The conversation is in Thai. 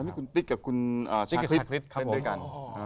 นั่นคือคุณติ๊กกับคุณชัคฤฟเล่นด้วยกัน